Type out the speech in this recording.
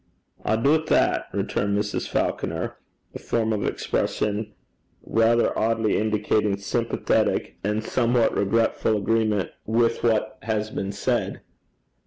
'I doobt that,' returned Mrs. Falconer a form of expression rather oddly indicating sympathetic and somewhat regretful agreement with what has been said.